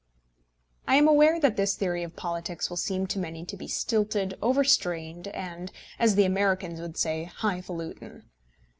I am aware that this theory of politics will seem to many to be stilted, overstrained, and, as the Americans would say, high faluten.